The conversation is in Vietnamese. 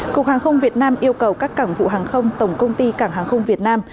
cục hàng không việt nam yêu cầu các cảng vụ hàng không tổng công ty cảng hàng không việt nam